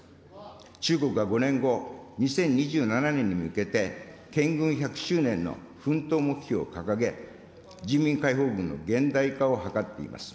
中国は５年後、２０２７年に向けて建軍１００周年の奮闘目標を掲げ、人民解放軍の現代化を図っています。